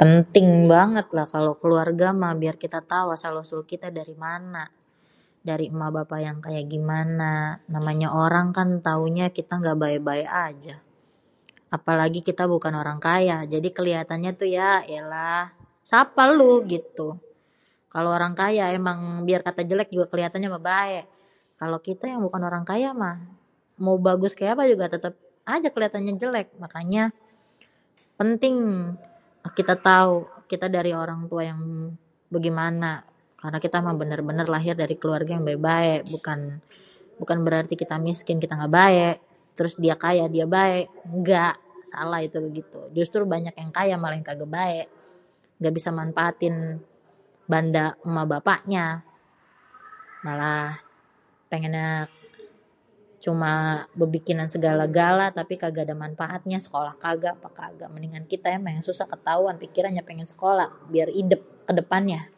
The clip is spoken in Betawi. Penting banget lah kalo keluarga mah biar kita tau asal usul kita dari mana. Dari ema bapa yang kaya gimana. Namanya orang kan taunya kita ga baé-baé aja, apalagi kita bukan orang kaya jadi keliatannya tu ya yaélah sapa eluh? gitu. Kalo orang kaya emang biar kata jelek juga keliatannye baé. Kalo kité yang bukan orang kaya mah mau bagus kaya apege tetep aja keliatannya jelek, makanya penting kita tau kita dari orang tua yang bagimana. Karena kita mah bener-bener lahir dari keluarga yang baé-baé bukan berarti kita miskin kita ga baé trus dia kaya dia baé, engga! salah itu begitu. Justru banyak yang kaya malah yang kaga baé! ga bisa manpaatin banda ema-bapanya, malah pengennya cuma bebikinan segala-gala tapi ga ada manfaatnya. Sekolah kaga kalo kita yang susah mah ketauan pikirannya pengen sekolah biar idep kedepannyah.